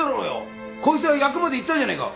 こいつは役場で言ったじゃねえか。